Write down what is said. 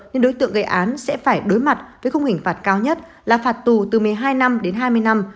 nên đối tượng gây án sẽ phải đối mặt với khung hình phạt cao nhất là phạt tù từ một mươi hai năm đến hai mươi năm